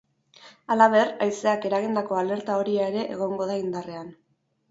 Halaber, haizeak eragindako alerta horia ere egongo da indarrean.